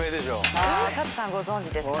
あカズさんご存じですか。